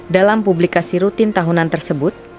dalam publikasi rutin tahunan tersebut